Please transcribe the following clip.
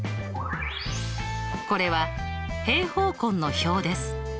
これは平方根の表です。